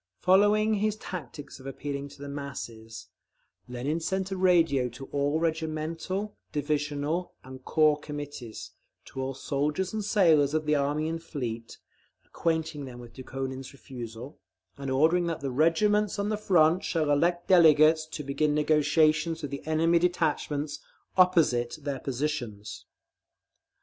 Following his tactics of appealing to the masses, Lenin sent a radio to all regimental, divisional and corps Committees, to all soldiers and sailors of the Army and the Fleet, acquainting them with Dukhonin's refusal, and ordering that "the regiments on the front shall elect delegates to begin negotiations with the enemy detachments opposite their positions…."